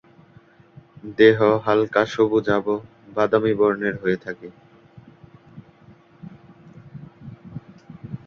দেহ হালকা সবুজাভ-বাদামী বর্ণের হয়ে থাকে।